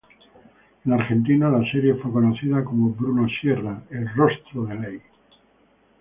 En Argentina, la serie fue conocida como Bruno Sierra, el rostro de ley.